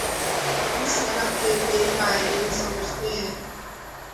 اس صنعت کے کئی ماہرین سمجھتے ہیں